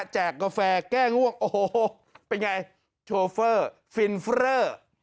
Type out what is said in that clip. แจกกาแฟแก้ง่วงโอ้โหไปไงโชเฟอร์ฟิลฟรอร์